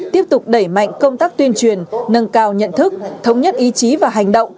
tiếp tục đẩy mạnh công tác tuyên truyền nâng cao nhận thức thống nhất ý chí và hành động